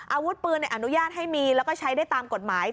อาวุธปืนอนุญาตให้มีแล้วก็ใช้ได้ตามกฎหมาย